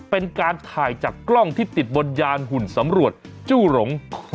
เป็นการถ่ายจากกล้องที่ติดบนยานหุ่นสำรวจจู้หลง